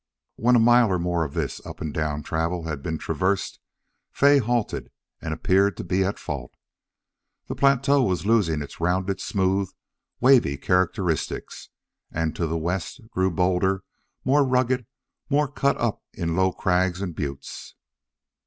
When a mile or more of this up and down travel had been traversed Fay halted and appeared to be at fault. The plateau was losing its rounded, smooth, wavy characteristics, and to the west grew bolder, more rugged, more cut up into low crags and buttes.